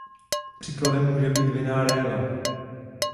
Příkladem může být vinná réva.